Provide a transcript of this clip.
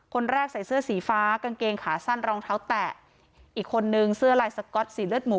คนแรกใส่เสื้อสีฟ้ากางเกงขาสั้นรองเท้าแตะอีกคนนึงเสื้อลายสก๊อตสีเลือดหมู